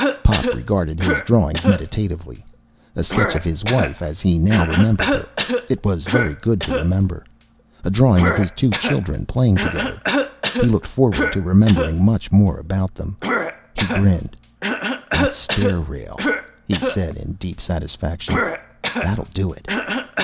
Pop regarded his drawings meditatively. A sketch of his wife as he now remembered her. It was very good to remember. A drawing of his two children, playing together. He looked forward to remembering much more about them. He grinned. "That stair rail," he said in deep satisfaction. "That'll do it!"